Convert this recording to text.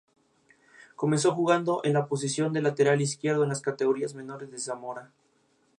Empresa que explota diversos espacios del conjunto monumental de Lorca.